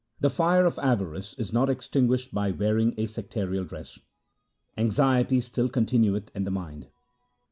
The fire of avarice is not extinguished by wearing a sectarial dress ; anxiety still continueth in the mind.